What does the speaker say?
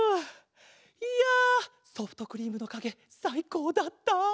いやソフトクリームのかげさいこうだった。